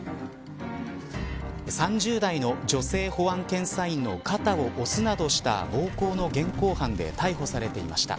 ３０代の女性保安検査員の肩を押すなどした暴行の現行犯で逮捕されていました。